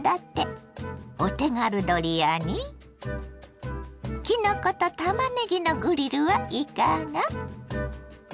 お手軽ドリアにきのことたまねぎのグリルはいかが。